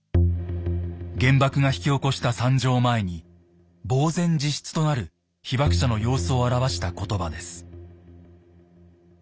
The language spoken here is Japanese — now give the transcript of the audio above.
原爆が引き起こした惨状を前に茫然自失となる被爆者の様子を表した言葉です。